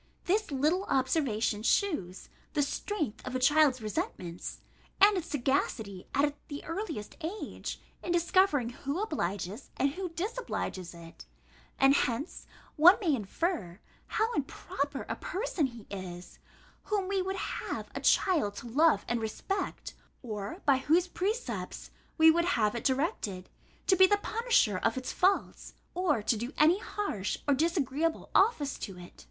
This little observation shews the strength of a child's resentments, and its sagacity, at the earliest age, in discovering who obliges, and who disobliges it: and hence one may infer, how improper a person he is, whom we would have a child to love and respect, or by whose precepts we would have it directed, to be the punisher of its faults, or to do any harsh or disagreeable office to it.